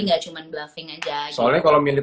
nggak cuma bluffing aja soalnya kalau milih